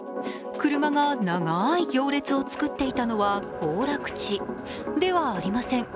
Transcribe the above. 車が長い行列を作っていたのは行楽地ではありません。